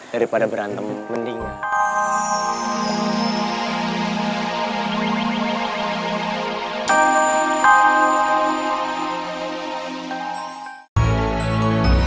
daripada berantem mendingan